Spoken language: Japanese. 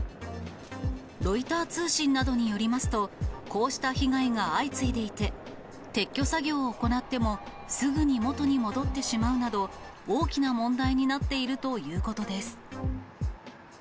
ロイター通信などによりますと、こうした被害が相次いでいて、撤去作業を行っても、すぐに元に戻ってしまうなど、大きな問題になっているということです。